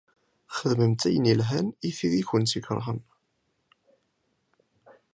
Xedmemt ayen ilhan i tid i kent-ikeṛhen.